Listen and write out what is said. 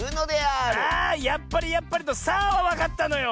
あ「やっぱり！やっぱり！」の「さあ！」はわかったのよ。